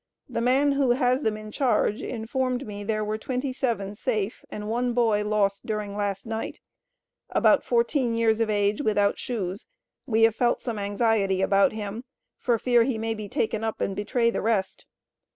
The man who has them in charge informed me there were 27 safe and one boy lost during last night, about 14 years of age, without shoes; we have felt some anxiety about him, for fear he may be taken up and betray the rest.